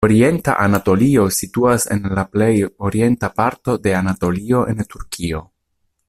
Orienta Anatolio situas en la plej orienta parto de Anatolio en Turkio.